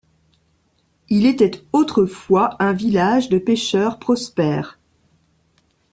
Il était autrefois un village de pêcheurs prospère.